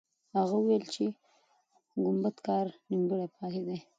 هغه وویل چې د ګمبد کار نیمګړی پاتې دی.